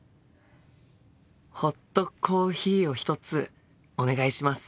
ホットコーヒーを１つお願いします。